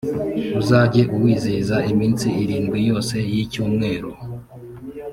uzajye uwizihiza iminsi irindwi yose y’icyumwero,